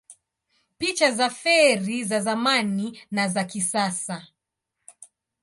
Picha za feri za zamani na za kisasa